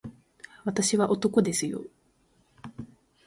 私は男ですよ